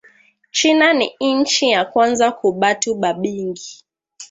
China ni inchi ya kwanza ku batu ba mingi